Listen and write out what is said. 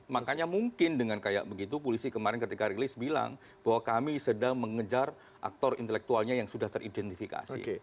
makanya mungkin dengan kayak begitu polisi kemarin ketika rilis bilang bahwa kami sedang mengejar aktor intelektualnya yang sudah teridentifikasi